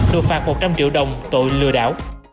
đột phạt một trăm linh triệu đồng tội lừa đảo